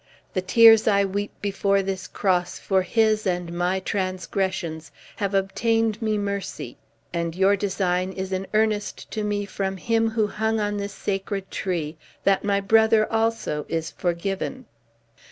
The tears I weep before this cross for his and my transgressions have obtained me mercy; and your design is an earnest to me from Him who hung on this sacred tree, that my brother also is forgiven."